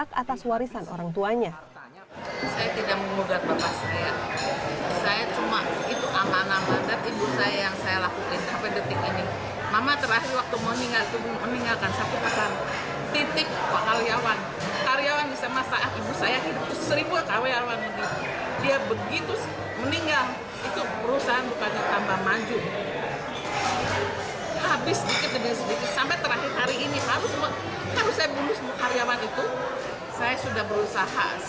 tetapi apa yang dilakukan apa yang dia jawab ini sudah punya gua